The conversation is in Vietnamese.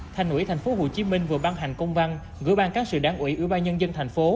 thành ủy tp hcm vừa ban hành công văn gửi ban các sự đáng ủy ủy ba nhân dân thành phố